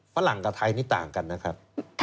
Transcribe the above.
ฝรั่งกับไทยนี่ต่างกันนะครับ